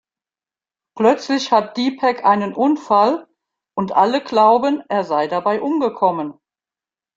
Plötzlich hat Deepak einen Unfall und alle glauben, er sei dabei umgekommen.